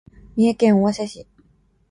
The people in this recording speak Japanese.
三重県尾鷲市